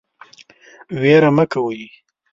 ویره مه کوئ